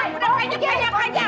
budak banyak banyak aja